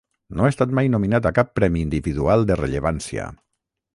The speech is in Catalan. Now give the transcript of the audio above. No ha estat mai nominat a cap premi individual de rellevància.